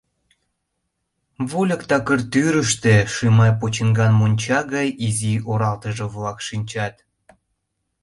Вольык такыр тӱрыштӧ Шимай почиҥган монча гай изи оралтыже-влак шинчат.